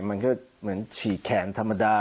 มันก็เหมือนฉีกแขนธรรมดา